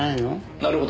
なるほど。